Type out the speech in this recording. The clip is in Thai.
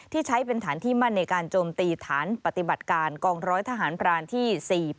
ใช้เป็นฐานที่มั่นในการโจมตีฐานปฏิบัติการกองร้อยทหารพรานที่๔๘